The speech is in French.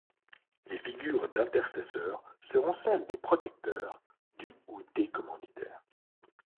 Les figures d'intercesseurs seront celles des protecteurs du ou des commanditaires.